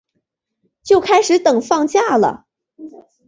就开始等放假啦